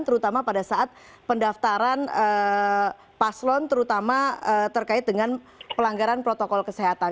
terutama pada saat pendaftaran paslon terutama terkait dengan pelanggaran protokol kesehatan